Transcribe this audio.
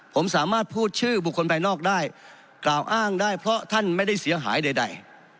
ผมสามารถพูดชื่อบุคคลภายนอกได้กล่าวอ้างได้เพราะท่านไม่ได้เสียหายใด